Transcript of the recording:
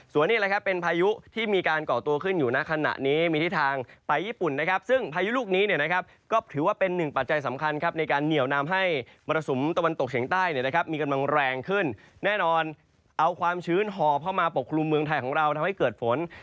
ส่วนนี้แหละครับเป็นพายุที่มีการก่อตัวขึ้นอยู่ณขณะนี้มีที่ทางไปญี่ปุ่นนะครับซึ่งพายุลูกนี้เนี่ยนะครับก็ถือว่าเป็นหนึ่งปัจจัยสำคัญครับในการเหนียวนำให้มรสุมตะวันตกเฉียงใต้เนี่ยนะครับมีกำลังแรงขึ้นแน่นอนเอาความชื้นห่อเข้ามาปกคลุมเมืองไทยของเราทำให้เกิดฝน